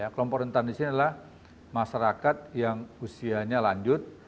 kelompok rentan disini adalah masyarakat yang usianya lanjut